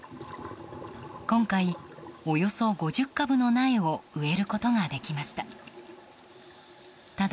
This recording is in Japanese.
今回、およそ５０株の苗を植えることができました。